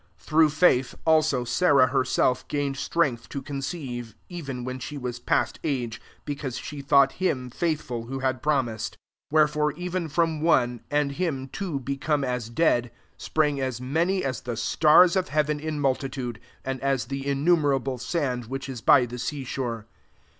1 1 Through faith, also Sarah herself gained strength to con x:eive, even when she was past nge, because she thought Him faithful who had promised. 12 Wherefore even from one, and him too become a§ dead, sprang as many as the stars of heaven in multitude, and as the innu merable sand which is by the sea shore.